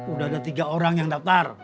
udah ada tiga orang yang daftar